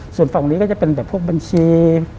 ส่วนฝั่งนี้ก็จะเป็นแบบพวกบัญชี